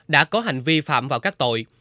đã có hành vi phạm vào các tội